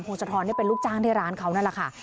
พงศธรเป็นลูกจ้างในร้านเขานั่นแหละค่ะ